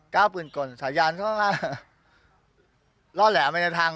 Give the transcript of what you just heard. ก้าวปืนกลสายารอแหละไม่ได้ทาง